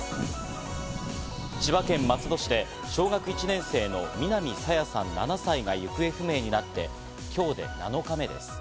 千葉県松戸市で小学１年生の南朝芽さん、７歳が行方不明になって今日で７日目です。